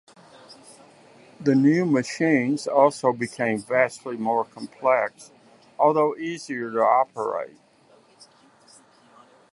The new machines also became vastly more complex, though easier to operate.